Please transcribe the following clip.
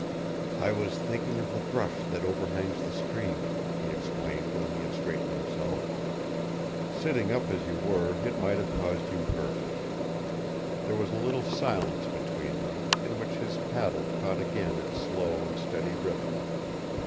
"I was thinking of the brush that overhangs the stream," he explained when he had straightened himself. "Sitting up as you were it might have caused you hurt." There was a little silence between them, in which his paddle caught again its slow and steady rhythm.